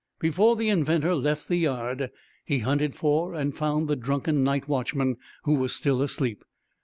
Before the inventor left the yard, he hunted for and found the drunken night watchman, who was still asleep.